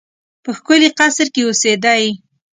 په ښکلي قصر کې اوسېدی.